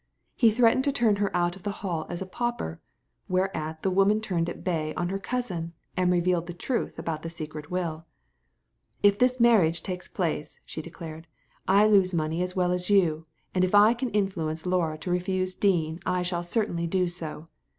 He threatened to turn her out of the Hall as a pauper ; whereat the woman turned at bay on her cousin, and revealed the truth about the secret will "If this marriage takes place, she declared, •I lose money as well as you, and if I can influence Laura to refuse Dean I shall certainly do so.